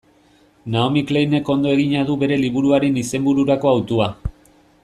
Naomi Kleinek ondo egina du bere liburuaren izenbururako hautua.